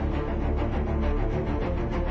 รักแผลสินที่ต้องเคยรัก